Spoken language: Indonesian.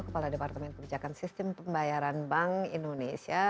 kepala departemen kebijakan sistem pembayaran bank indonesia